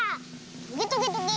トゲトゲトゲ。